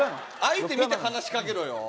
相手見て話しかけろよ